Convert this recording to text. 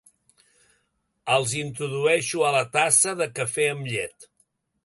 Els introdueixo a la tassa de cafè amb llet.